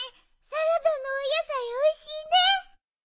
サラダのおやさいおいしいね！